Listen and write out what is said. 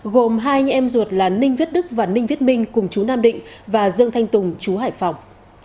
gồm hai anh em ruột là ninh viết đức và ninh viết minh cùng chú nam định và dương thanh tùng chú hải phòng